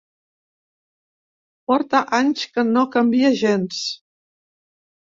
Porta anys que no canvia gens.